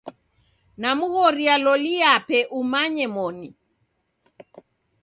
Namghoria loli yape umanye moni.